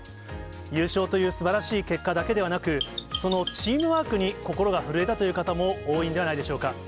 優勝というすばらしい結果だけではなく、そのチームワークに心が震えたという方も多いんではないでしょうか。